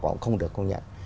họ cũng không được công nhận